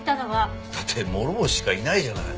だって諸星しかいないじゃない。